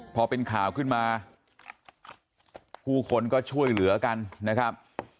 พอเป็นข่าวขึ้นมาผู้คนก็ช่วยเหลือกันนะครับ